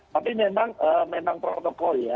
tapi memang protokol ya